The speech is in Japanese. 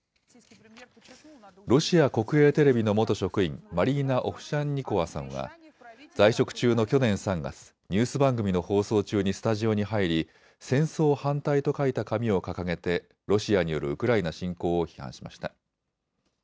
ロシア国営テレビの元職員、マリーナ・オフシャンニコワさんは在職中の去年３月、ニュース番組の放送中にスタジオに入り戦争反対と書いた紙を掲げてロシアによるウクライナ侵攻を批判しました。